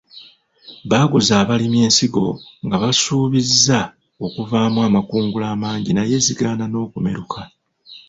Baguza abalimi ensigo nga basuubiza okuvaamu amakungula amangi naye zigaana n'okumeruka.